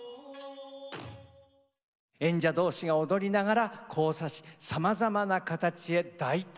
演者同士が踊りながら交差しさまざまな形へ大胆に変化する。